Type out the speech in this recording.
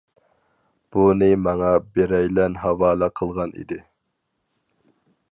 بۇنى ماڭا بىرەيلەن ھاۋالە قىلغان ئىدى.